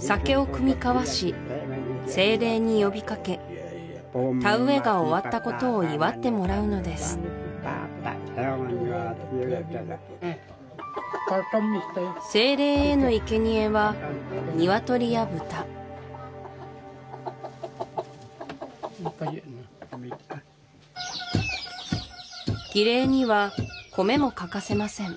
酒を酌み交わし精霊に呼びかけ田植えが終わったことを祝ってもらうのです精霊への生贄は鶏や豚儀礼には米も欠かせません